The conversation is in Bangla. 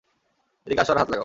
এদিকে আসো আর হাত লাগাও।